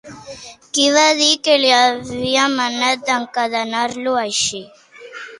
Qui va dir que li havia manat d'encadenar-lo així?